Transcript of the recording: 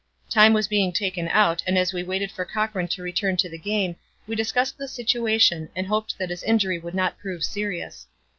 Time was being taken out and as we waited for Cochran to return to the game we discussed the situation and hoped that his injury would not prove serious.